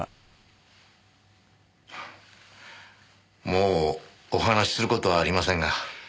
もうお話しする事はありませんが。